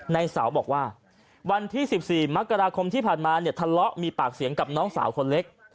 ในเสาบอกว่าวันที่๑๔มกราคมที่ผ่านมาเนี่ยทะเลาะมีปากเสียงกับน้องสาวคนเล็ก